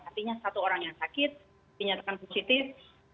artinya satu orang yang sakit dinyatakan positif